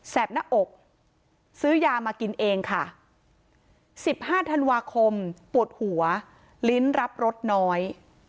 หน้าอกซื้อยามากินเองค่ะสิบห้าธันวาคมปวดหัวลิ้นรับรสน้อย